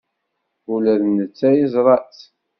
Ula d netta yeẓra-tt.